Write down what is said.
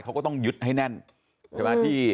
เขาก็ต้องยึดให้แน่น